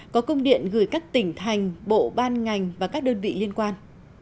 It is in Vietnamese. có công điện gửi các tỉnh thành bộ ban ngành và các đơn vị liên quan